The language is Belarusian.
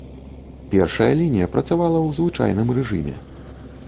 Першая лінія працавала ў звычайным рэжыме.